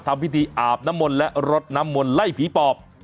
ทำพิธีอาบน้ำมนต์และรดน้ำมนต์ไล่ผีปอบ